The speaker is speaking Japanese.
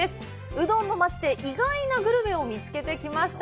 うどんの町で意外なグルメを見つけてきました